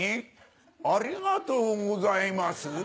「ありがとうございます」？